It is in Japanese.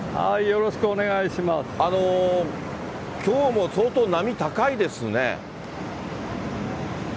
きょうも相当、波高いですね。